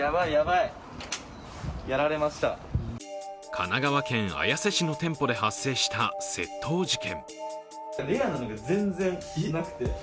神奈川県綾瀬市の店舗で発生した窃盗事件。